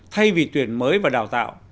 thay vì tuyển mới và đào tạo